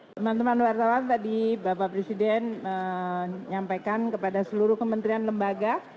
teman teman wartawan tadi bapak presiden menyampaikan kepada seluruh kementerian lembaga